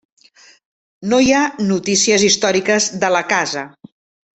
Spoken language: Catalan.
No hi ha notícies històriques de la casa.